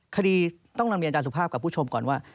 คดีต้องนำเรียนอาจารย์สุภาพกับผู้ชมก่อนว่า